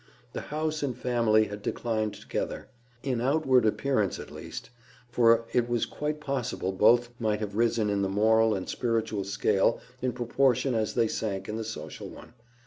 The house and family had declined together—in outward appearance at least; for it was quite possible both might have risen in the moral and spiritual scale in proportion as they sank in the social one.